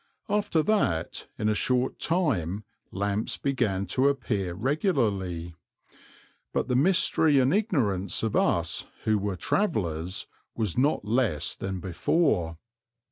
After that in a short time lamps began to appear regularly, but the mystery and ignorance of us who were travellers was not less than before.